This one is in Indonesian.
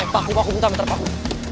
paku paku pintas menteri paku